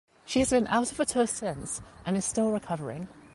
She has been out of the tour since, and is still recovering.